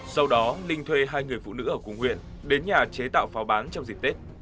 sau đó linh thuê hai người phụ nữ ở cùng huyện đến nhà chế tạo pháo bán trong dịp tết